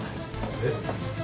えっ？